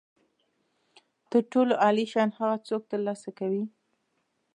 تر ټولو عالي شیان هغه څوک ترلاسه کوي.